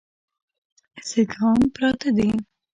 سیکهان پراته دي.